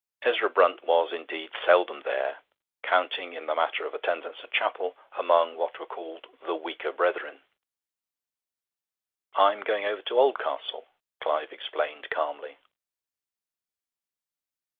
Ezra Brunt was indeed seldom there, counting in the matter of attendance at chapel among what were called 'the weaker brethren.' 'I am going over to Oldcastle,' Clive explained calmly.